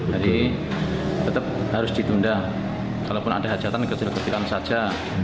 jadi tetap harus ditunda kalaupun ada hajatan kecil kecilan saja